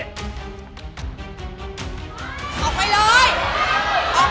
ออกไปเลยออกไปออกไปไอ้คนไม่ดี